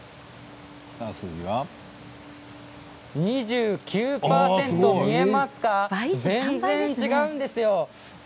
すごい。見えますか、全然違うんです。